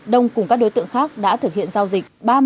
đông cùng các đối tượng khác đã thực hiện giao dịch